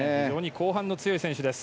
後半の強い選手です。